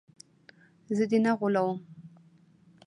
زه دې نه غولوم.